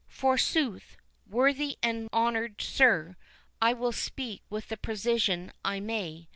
"Forsooth, worthy and honoured sir, I will speak with the precision I may.